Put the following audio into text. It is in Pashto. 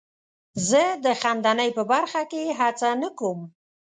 زه د خندنۍ په برخه کې هڅه نه کوم.